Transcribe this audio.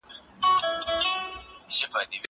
زه اوس سبزېجات وچوم!!